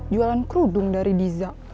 jualan kerudung dari diza